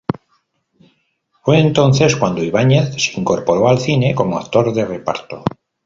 Fue entonces cuando Ibáñez se incorporó al cine como actor de reparto.